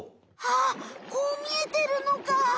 あっこうみえてるのか！